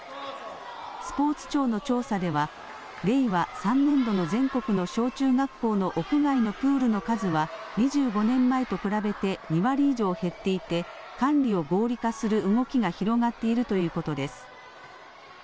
スポーツ庁の調査では、令和３年度の全国の小中学校の屋外のプールの数は２５年前と比べて２割以上減っていて、管理を合理化する動きが広がっているということです。